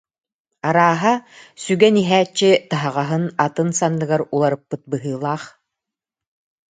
Арааһа, сүгэн иһээччи таһаҕаһын атын санныгар уларыппыт быһыылаах